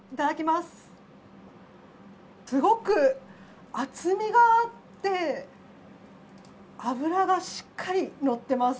すごく厚みがあって脂がしっかりのってます。